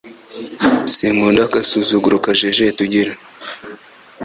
sinkunda agasuzuguro kajejeta ugira